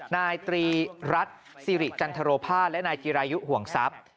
นายตรีรัฐสิริจันทรภาษและนายจิรายุห่วงทรัพย์